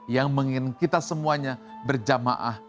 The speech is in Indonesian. yang mengingin kita semuanya berjamaah